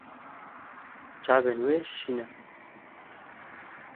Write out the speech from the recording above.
Çavên wê şîn e.